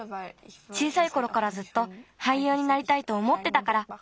小さいころからずっとはいゆうになりたいとおもってたから。